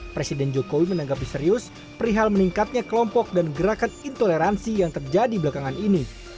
presiden jokowi menanggapi serius perihal meningkatnya kelompok dan gerakan intoleransi yang terjadi belakangan ini